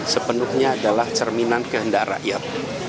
sepenuhnya adalah cerminan kehendak rakyat